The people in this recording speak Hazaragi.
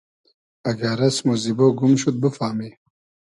اگۂ رئسم و زیبۉ گوم شود بوفامی